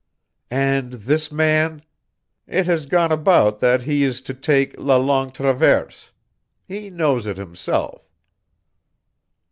"And this man " "It has gone about that he is to take la Longue Traverse. He knows it himself."